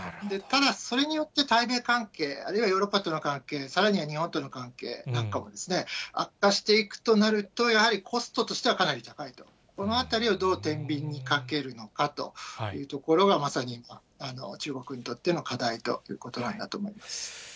ただ、それによって対米関係、あるいはヨーロッパとの関係、さらには日本との関係なんかも、悪化していくとなると、やはりコストとしてはかなり高いと、このあたりをどうてんびんにかけるのかというところがまさに中国にとっての課題ということなんだと思います。